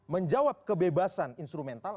menjawab kebebasan instrumental